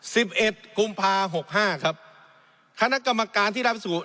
สิบเอ็ดกุมภาหกห้าครับคณะกรรมการที่รับพิสูจน